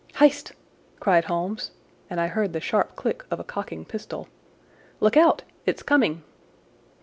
"Hist!" cried Holmes, and I heard the sharp click of a cocking pistol. "Look out! It's coming!"